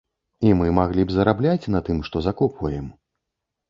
І мы маглі б зарабляць на тым, што закопваем.